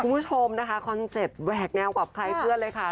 คุณผู้ชมนะคะคอนเซ็ปต์แหวกแนวกับใครเพื่อนเลยค่ะ